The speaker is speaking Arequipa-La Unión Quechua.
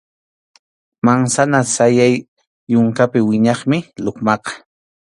Mansana sayay yunkapi wiñaqmi lukmaqa.